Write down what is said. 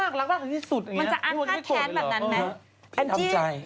เขาไม่คุณนี้แหละ